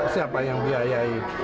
siapa yang biayai